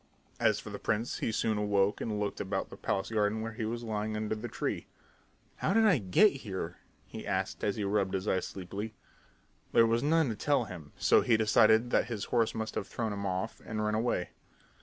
As for the prince, he soon awoke and looked about the palace garden where he was lying under the tree. "How did I get here?" he asked as he rubbed his eyes sleepily. There was none to tell him, so he decided that his horse must have thrown him off and run away.